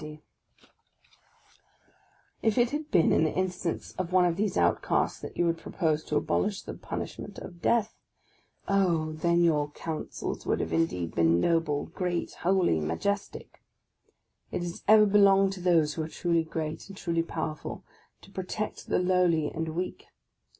M. VICTOR HUGO 29 If it had been in the instance of one of these outcasts that you had proposed to abolish the punishment of death, oh, then your councils would have indeed been noble, great, holy, ma jestic! It has ever belonged to those who are truly great and truly powerful, to protect the lowly and weak.